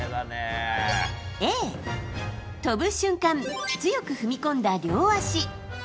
Ａ、跳ぶ瞬間強く踏み込んだ両足。